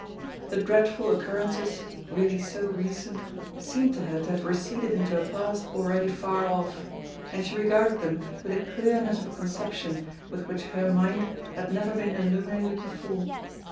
The dreadful occurrences, really so recent, seemed to her to have receded into a past already far off; and she regarded them with a clearness of conception with which her mind had never been illuminated before.